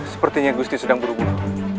sepertinya gusti sedang buru buru